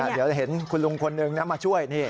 เดี๋ยวเห็นคุณลุงคนนึงมาช่วยนี่